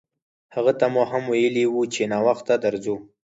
هغه ته مو هم ویلي وو چې ناوخته درځو.